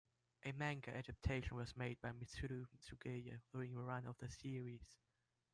A manga adaptation was made by Mitsuru Sugaya during the run of the series.